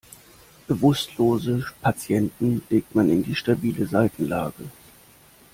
Bewusstlose Patienten legt man in die stabile Seitenlage.